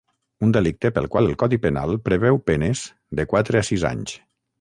Un delicte pel qual el codi penal preveu penes de quatre a sis anys.